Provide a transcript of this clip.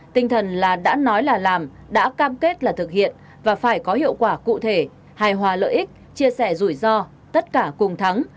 tinh thần là đã nói là làm đã cam kết là thực hiện và phải có hiệu quả cụ thể hài hòa lợi ích chia sẻ rủi ro tất cả cùng thắng